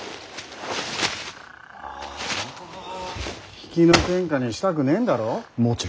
比企の天下にしたくねえんだろ。